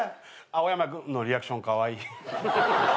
青山君のリアクションカワイイ。